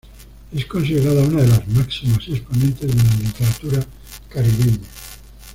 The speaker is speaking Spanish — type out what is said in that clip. Es considerada una de las máximas exponentes de la literatura caribeña.